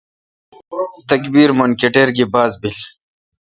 تکبیر من کٹیر گی باز بیل۔